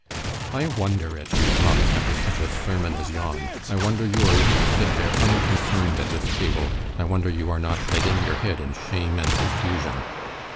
"I wonder at you, Thomas, after such a sermon as yon. I wonder you are able to sit there unconcerned at this table. I wonder you are not hiding your head in shame and confusion."